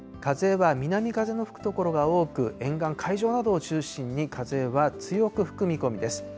風は南風の吹く所が多く、沿岸、海上などを中心に風は強く吹く見込みです。